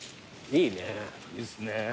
いいですね。